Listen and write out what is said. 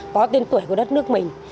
có tên tuổi của đất nước mình